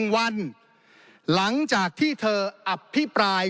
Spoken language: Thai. ๑วันหลังจากที่เธออภิปราย